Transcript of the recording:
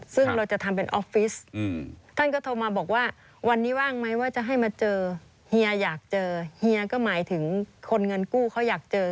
ซึ่งเราจะทำเป็นออฟฟิศท่านก็โทรมาบอกว่าวันนี้ว่างไหมว่าจะให้มาเจอเฮียอยากเจอเฮียก็หมายถึงคนเงินกู้เขาอยากเจอ